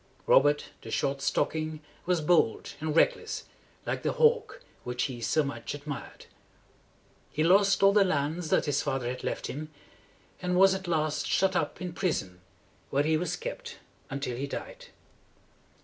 Robert, the Short Stocking, was bold and reckless, like the hawk which he so much admired. He lost all the lands that his father had left him, and was at last shut up in prison, where he was kept until he died.